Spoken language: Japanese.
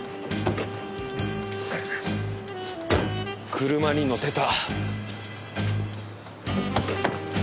車に乗せた。